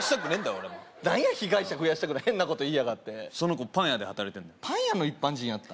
俺何や被害者増やしたくない変なこと言いやがってその子パン屋で働いてんのパン屋の一般人やった？